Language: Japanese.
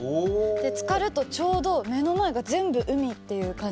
つかるとちょうど目の前が全部海っていう感じになって。